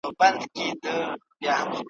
د شهید زیارت یې ورک دی پر قاتل جنډۍ ولاړي `